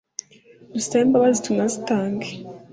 dusabe imbabazi tunazitange